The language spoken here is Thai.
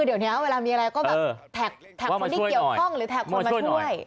เดี๋ยวนี้เวลามีอะไรก็แบบแท็กคนที่เกี่ยวข้องหรือแท็กคนมาช่วย